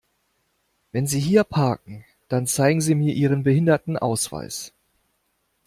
Wenn Sie hier parken, dann zeigen Sie mir Ihren Behindertenausweis!